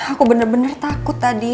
aku bener bener takut tadi